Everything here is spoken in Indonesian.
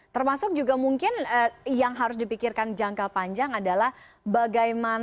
termasuk juga mungkin yang harus dipikirkan jangka panjang adalah bagaimana